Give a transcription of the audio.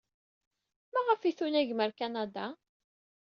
Maɣef ay tunagem ɣer Kanada?